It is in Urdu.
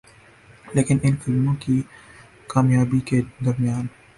لیکن ان فلموں کی کامیابی کے درمیان